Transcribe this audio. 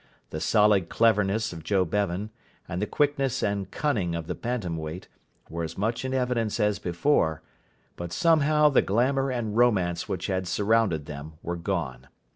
The solid cleverness of Joe Bevan, and the quickness and cunning of the bantam weight, were as much in evidence as before, but somehow the glamour and romance which had surrounded them were gone.